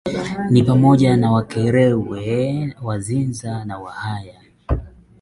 ni pamoja na Wakarewe Wazinza na Wahaya